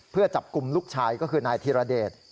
เพื่อจับกลุ่มลูกชายก็คือนายธิรเดช